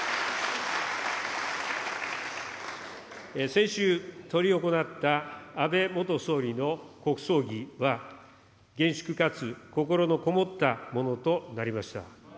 先週執り行った、安倍元総理の国葬儀は、厳粛かつ心のこもったものとなりました。